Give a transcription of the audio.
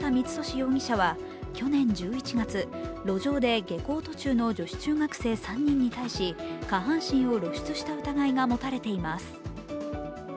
容疑者は去年１１月、路上で下校途中の女子中学生３人に対し下半身を露出した疑いがもたれています。